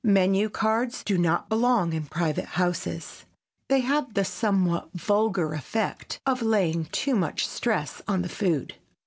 Menu cards do not belong in private houses. They have the somewhat vulgar effect of laying too much stress on the food.